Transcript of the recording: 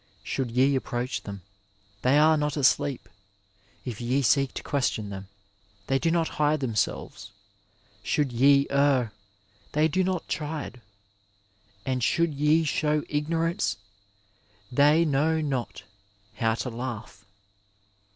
Should ye approach them, they are not asleep ; if ye seek to question them, they do not hide themselves ; should ye err, they do not chide ; and should ye show ignorance, they know not how to laugh.